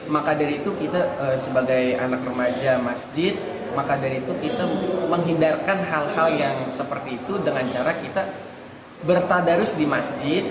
maka dari itu kita sebagai anak remaja masjid maka dari itu kita menghindarkan hal hal yang seperti itu dengan cara kita bertadarus di masjid